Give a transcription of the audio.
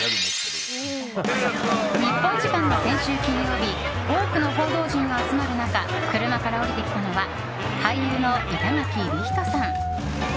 日本時間の先週金曜日多くの報道陣が集まる中車から降りてきたのは俳優の板垣李光人さん。